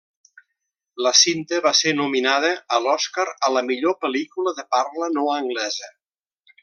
La cinta va ser nominada a l'Oscar a la Millor pel·lícula de parla no anglesa.